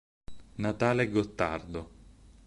Natale Gottardo